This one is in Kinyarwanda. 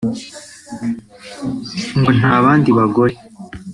ngo nta bandi bagore